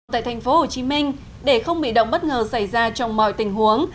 tại tp hcm để không bị động bất ngờ xảy ra trong mọi tình huống